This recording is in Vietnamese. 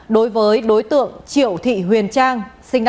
đối với đối tượng triệu thị huyền trang sinh năm một nghìn chín trăm tám mươi